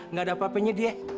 nggak ada apa apanya dia